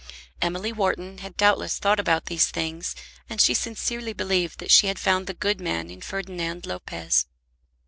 Emily Wharton had doubtless thought about these things, and she sincerely believed that she had found the good man in Ferdinand Lopez.